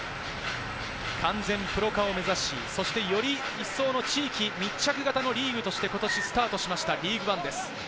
完全プロ化を目指し、より一層の地域密着型のリーグとして今年スタートしましたリーグワンです。